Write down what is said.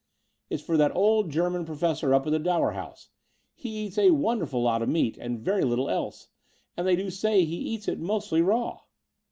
"It's for that old German Pro fessor up at the Dower House. He eats a won derful lot of meat, and very little else: and they do say he eats it mostly raw."